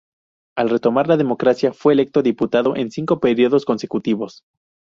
Al retornar la democracia fue electo diputado en cinco periodos consecutivos.